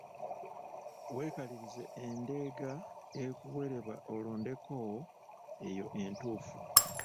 Weekalirize endeega ekuweerebbwa olondeko eyo entuufu.